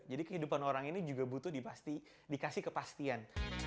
jadi kehidupan orang ini juga butuh dikasih kepastian